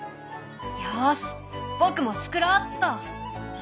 よし僕もつくろうっと。